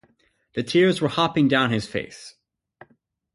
The tears were hopping down his face.